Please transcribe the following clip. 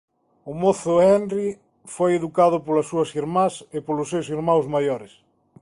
O mozo Henri foi educado polas súas irmás e polos seus irmáns maiores.